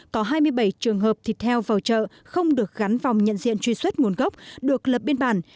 có hai mươi bảy trường hợp thịt heo vào chợ không được gắn vòng nhận diện truy xuất nguồn gốc được lập biên bản